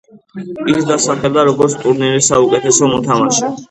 ის დასახელდა როგორც ტურნირის საუკეთესო მოთამაშე.